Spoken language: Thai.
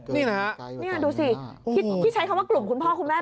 นี่นะฮะนี่ดูสิที่ใช้คำว่ากลุ่มคุณพ่อคุณแม่